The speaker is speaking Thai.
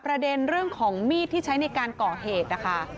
ประเด็นเรื่องของมีดที่ใช้ในการก่อเหตุนะคะ